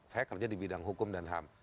saya kerja di bidang hukum dan ham